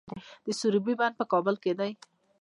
د سروبي بند په کابل کې دی